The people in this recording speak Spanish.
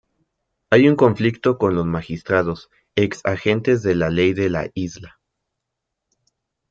Hay un conflicto con los magistrados, ex agentes de la ley de la isla.